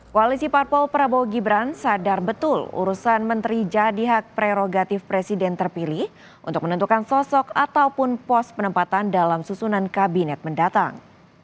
koalisi parpol prabowo gibran sadar betul urusan menteri jadi hak prerogatif presiden terpilih untuk menentukan sosok ataupun pos penempatan dalam susunan kabinet mendatang